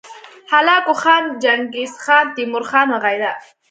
هلاکو خان، چنګیزخان، تیمورخان وغیره